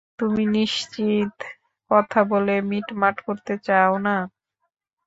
তুমি নিশ্চিত কথা বলে মিটমাট করতে চাও না?